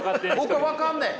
僕は分かんねん！